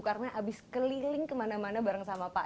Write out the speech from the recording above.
karena habis keliling kemana mana bareng sama pak encik